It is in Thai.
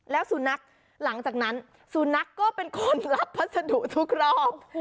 แล้วสุนัขหลังจากนั้นสุนัขก็เป็นคนรับพัสดุทุกรอบ